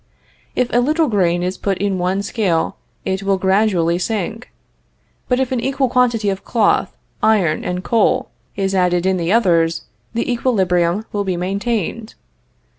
If a little grain is put in one scale it will gradually sink, but if an equal quantity of cloth, iron and coal is added in the others, the equilibrium will be maintained.